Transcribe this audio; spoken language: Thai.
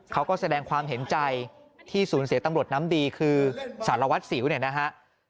เขาก็แสดงความเห็นใจที่สูญเสียตำรวจน้ำดีคือสารวัตรสิวเนี่ยนะฮะ